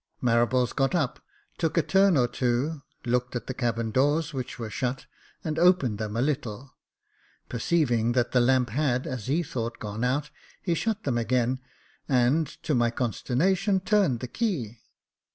Marables got up, took a turn or two, looked at the cabin doors, which were shut, and opened them a little. Perceiving that the lamp had, as he thought, gone out, he shut them again, and, to my consternation, turned the key.